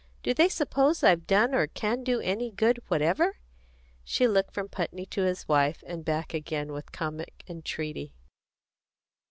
Do they suppose I've done or can do any good whatever?" She looked from Putney to his wife, and back again with comic entreaty.